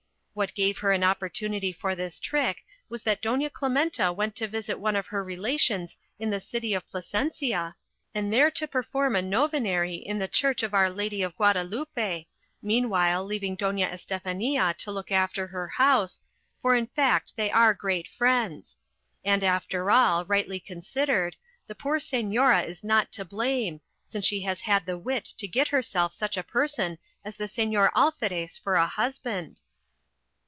What gave her an opportunity for this trick was that Doña Clementa went to visit one of her relations in the city of Plasencia, and there to perform a novenary in the church of our Lady of Guadalupe, meanwhile leaving Doña Estefania to look after her house, for in fact they are great friends. And after all, rightly considered, the poor señora is not to blame, since she has had the wit to get herself such a person as the Señor Alferez for a husband."